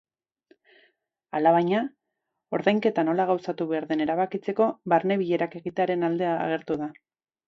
Alabaina, ordainketa nola gauzatu behar den erabakitzeko barne-bilerak egitearen alde agertu da.